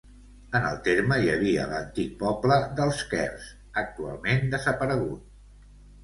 En el terme hi havia l'antic poble dels Quers, actualment desaparegut.